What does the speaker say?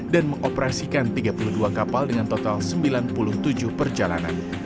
dan mengoperasikan tiga puluh dua kapal dengan total sembilan puluh tujuh perjalanan